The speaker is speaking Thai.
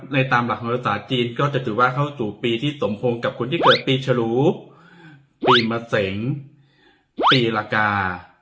ตามหลักธรรมศาสตร์จีนก็จะถือว่าเข้าสู่ปีที่สมพงษ์กับคนที่เกิดปีฉลูปีมะเสงปีละกา